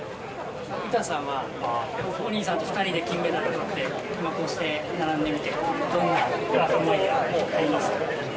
詩さんはお兄さんと２人で金メダルをとって今、こうして並んでみてどんな気分とかありますか？